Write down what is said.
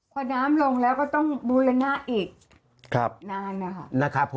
พอน้ำลงแล้วก็ต้องบูรณะอีกนานนะครับผม